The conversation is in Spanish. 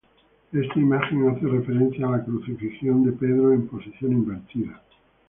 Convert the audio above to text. Esta imagen hace referencia a la crucifixión de Pedro en posición invertida.